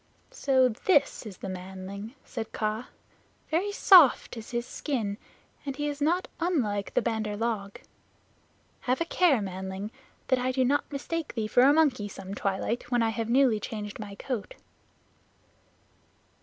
"So this is the manling," said Kaa. "Very soft is his skin, and he is not unlike the Bandar log. Have a care, manling, that I do not mistake thee for a monkey some twilight when I have newly changed my coat."